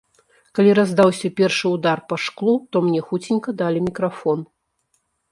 Калі раздаўся першы ўдар па шклу, то мне хуценька далі мікрафон.